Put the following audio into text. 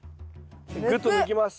ぐっと抜きます。